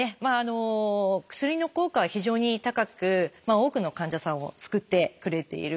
薬の効果は非常に高く多くの患者さんを救ってくれている薬です。